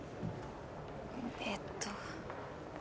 えっと。